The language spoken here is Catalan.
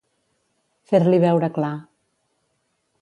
Fer-li veure clar.